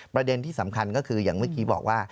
ประเด็นที่สำคัญก็คืออย่างเมื่อกี้บอกว่า